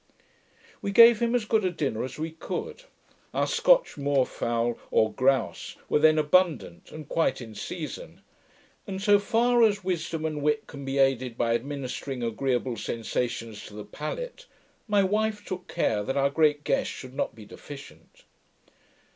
We gave him as good a dinner as we could. Our Scotch muir fowl, or growse, were then abundant, and quite in season; and, so far as wisdom and wit can be aided by administering agreeable sensations to the palate, my wife took care that our great guest should not be deficient.